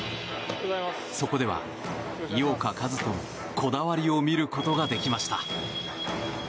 そこでは井岡一翔のこだわりを見ることができました。